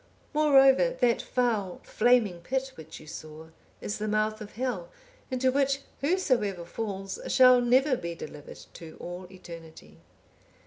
Moreover that foul flaming pit which you saw, is the mouth of Hell, into which whosoever falls shall never be delivered to all eternity.